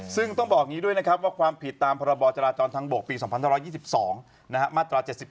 ซึ่งต้องบอกอย่างนี้ด้วยนะครับว่าความผิดตามพรบจราจรทางบกปี๒๕๒๒มาตรา๗๒